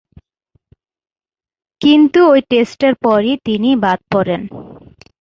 কিন্তু ঐ টেস্টের পরই তিনি বাদ পড়েন।